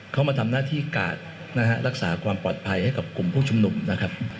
เขามาทำหน้าที่กาศาความปลอดภัยให้กับกลุ่มพวกชุมหนุ่มนะครับ